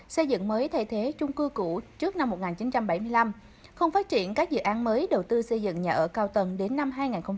xây dựng mới thay thế trung cư cũ trước năm một nghìn chín trăm bảy mươi năm không phát triển các dự án mới đầu tư xây dựng nhà ở cao tầng đến năm hai nghìn hai mươi